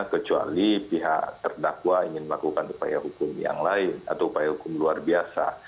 kecuali pihak terdakwa ingin melakukan upaya hukum yang lain atau upaya hukum luar biasa